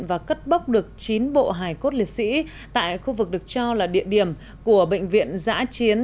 hải cốt liệt sĩ tại khu vực được cho là địa điểm của bệnh viện giã chiến